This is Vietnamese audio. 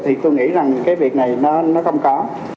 thì tôi nghĩ rằng cái việc này nó không có